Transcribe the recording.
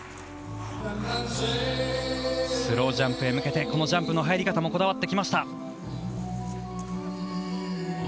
スロージャンプへ向けて、このジャンプの入り方もこだわってきました。